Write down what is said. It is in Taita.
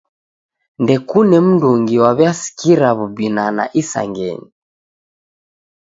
Ndekune mndungi waw'iasikira w'ubinana isangenyi.